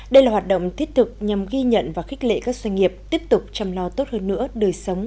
đây là hoạt động thiết thực nhằm ghi nhận và khích lệ các doanh nghiệp tiếp tục chăm lo tốt hơn nữa đời sống